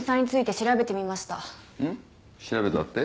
調べたって？